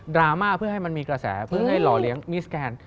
ราม่าเพื่อให้มันมีกระแสเพื่อให้หล่อเลี้ยงมิสแกน